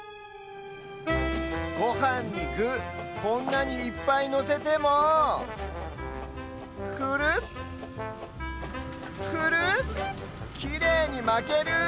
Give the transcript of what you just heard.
ごはんにぐこんなにいっぱいのせてもクルクルきれいにまける！